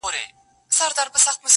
o لټي د گناه مور ده.